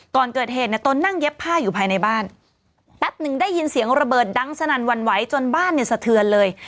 ก่อนเกิดเหตุเนี่ยตนนั่งเย็บผ้าอยู่ภายในบ้านแป๊บหนึ่งได้ยินเสียงระเบิดดังสนั่นหวั่นไหวจนบ้านเนี่ยสะเทือนเลย